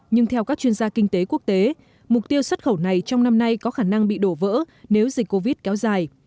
nhưng theo các chuyên gia kinh tế quốc tế mục tiêu xuất khẩu này trong năm nay có khả năng bị đổ vỡ nếu dịch covid kéo dài